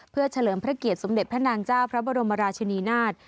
เพื่อเฉลิมพระเกียรติสมเด็จพระนางเจ้าพระบรมราชินีนาฏ